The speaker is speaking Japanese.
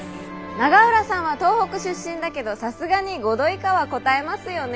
永浦さんは東北出身だけどさすがに５度以下はこたえますよね？